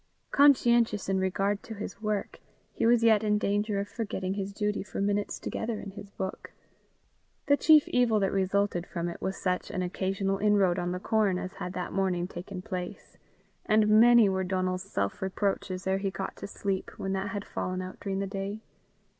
Conscientious in regard to his work, he was yet in danger of forgetting his duty for minutes together in his book. The chief evil that resulted from it was such an occasional inroad on the corn as had that morning taken place; and many were Donal's self reproaches ere he got to sleep when that had fallen out during the day.